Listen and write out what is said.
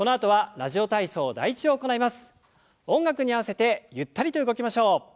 音楽に合わせてゆったりと動きましょう。